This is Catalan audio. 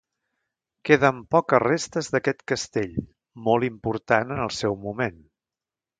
Queden poques restes d'aquest castell, molt important en el seu moment.